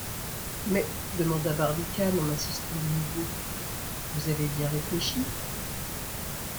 Mais, demanda Barbicane en insistant de nouveau, vous avez bien réfléchi?...